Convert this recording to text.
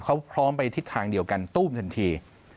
เขาพร้อมไปทิศทางเดียวกันตู้มทันที